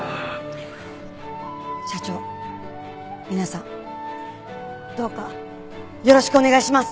社長皆さんどうかよろしくお願いします！